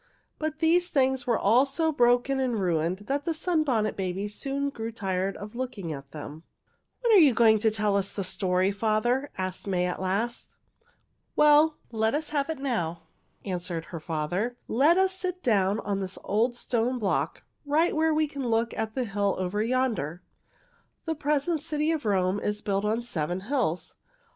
But these things were all so broken and ruined the Sunbonnet Babies soon grew tired of looking at them. [Illustration: They saw beautiful arches and tall marble columns] "When are you going to tell us the story, father?" asked May at last. "Well, let us have it now," answered her father. "Let us sit down on this old stone block right where we can look at the hill over yonder. The present city of Rome is built on seven hills.